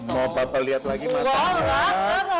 mau papa liat lagi mata enggak